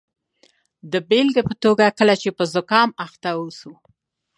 د بیلګې په توګه کله چې په زکام اخته اوسو.